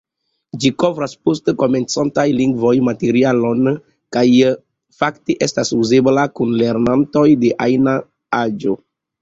Ĝi kovras post-komencantan lingvo-materialon kaj fakte estas uzebla kun lernantoj de ajna aĝo.